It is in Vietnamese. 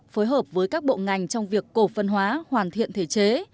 phối hợp với các bộ ngành trong việc cổ phân hóa hoàn thiện thể chế